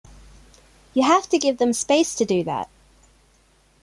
You have to give them space to do that.